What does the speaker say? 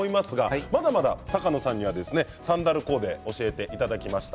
まだまだ坂野さんにはサンダルコーディネートを教えていただきました。